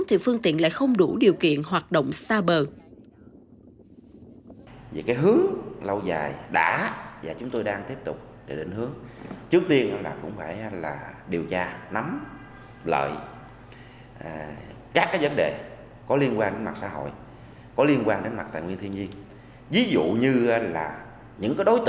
thì phương tiện lại không đủ điều kiện hoạt động xa bờ